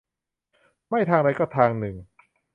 ไม่ทางใดก็ทางหนึ่ง